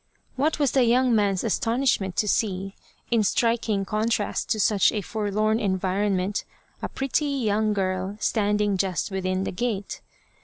What was the young man's astonishment to see, in striking contrast to such a forlorn environment, a pretty young girl standing just within the gate.